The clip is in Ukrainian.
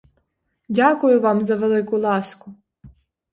Дякую вам за велику ласку!